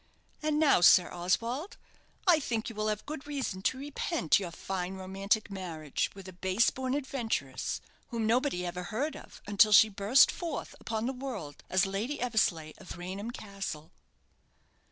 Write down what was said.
And now, Sir Oswald, I think you will have good reason to repent your fine romantic marriage with a base born adventuress, whom nobody ever heard of until she burst forth upon the world as Lady Eversleigh of Raynham Castle."